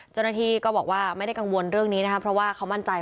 เจ้าหน้าที่ก็บอกว่าไม่ได้กังวลเรื่องนี้นะครับเพราะว่าเขามั่นใจ